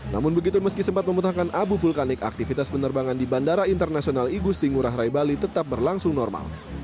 namun begitu meski sempat memutahkan abu vulkanik aktivitas penerbangan di bandara internasional igusti ngurah rai bali tetap berlangsung normal